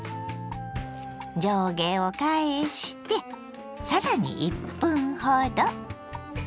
上下を返してさらに１分ほど。